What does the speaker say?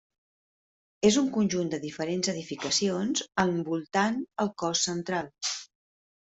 És un conjunt de diferents edificacions envoltant el cos central.